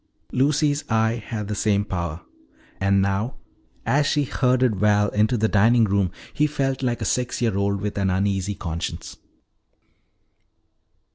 Lucy's eye had the same power. And now as she herded Val into the dining room he felt like a six year old with an uneasy conscience.